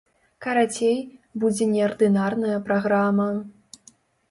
Карацей, будзе неардынарная праграма.